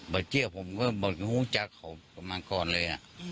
บาดเจี๊ยบผมก็บอกว่าฮู้จักรเขามาก่อนเลยอ่ะ